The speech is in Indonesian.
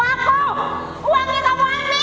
kamu yang penipu